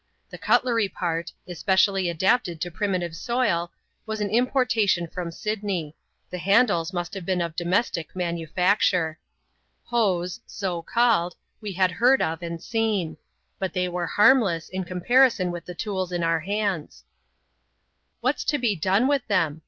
The cutlery part — especially adapted to a primitive soil — was an importation from Sydney ; the handles must have been of domestic manufacture. " Hoes*', — so called — we had heard of, and seen ; but they were harmless^ in comparison with the tools in our hands. *• What'^3 to be done with them